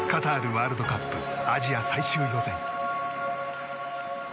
ワールドカップアジア最終予選。